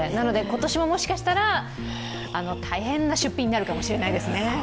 今年ももしかしたら、大変な出費になるかもしれないですね。